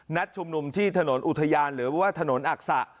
ชุมนุมที่ถนนอุทยานหรือว่าถนนอักษะ